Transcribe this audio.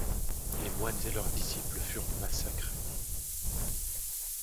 Les moines et leurs disciples furent massacrés.